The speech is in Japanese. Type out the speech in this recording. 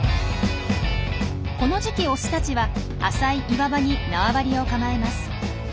この時期オスたちは浅い岩場に縄張りを構えます。